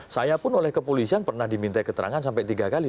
saya pun oleh kepolisian pernah diminta keterangan sampai tiga kali